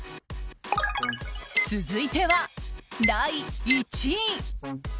続いては第１位。